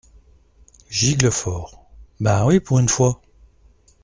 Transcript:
Giclefort. — Ben oui, pour une fois !…